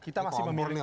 kita masih memiliki